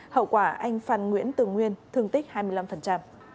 hậu quả anh phan nguyễn tường nguyên thương tích hai mươi năm